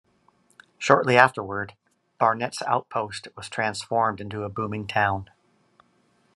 Shortly afterward, Barnette's outpost was transformed into a booming town.